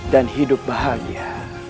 dan hidup bahagia